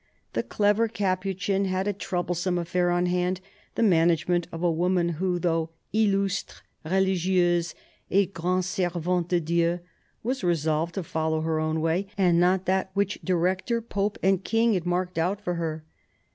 The clever Capuchin had a troublesome affair on hand : the management of a woman who, though " illustre religieuse et grande servante de Dieu," was resolved to follow her own way and not that which director, Pope and King had marked out for her.